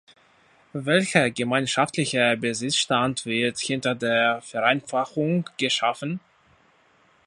Welcher gemeinschaftliche Besitzstand wird hinter der Vereinfachung geschaffen?